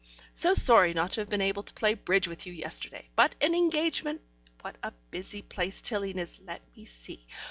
So sorry not to have been able to play bridge with you yesterday, but an engagement. What a busy place Tilling is. Let me see!